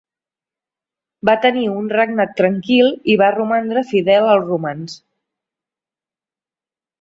Va tenir un regnat tranquil i va romandre fidel als romans.